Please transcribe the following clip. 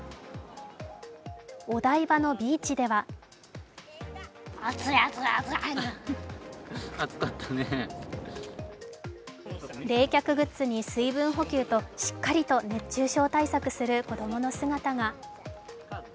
お台場のビーチでは冷却グッズに水分補給としっかりと熱中症対策する子供の姿が。